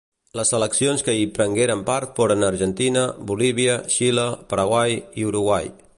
Les seleccions que hi prengueren part foren Argentina, Bolívia, Xile, Paraguai, i Uruguai.